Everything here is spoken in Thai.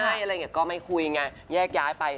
อะไรอย่างเนี่ยก็ไม่คุยไงแยกย้าเอาไป